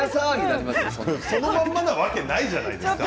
そのままなわけないじゃないですか。